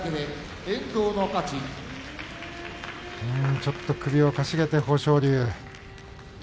ちょっと首をかしげて、豊昇龍。